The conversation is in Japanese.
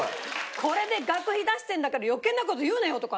「これで学費出してるんだから余計な事言うなよ！」とか。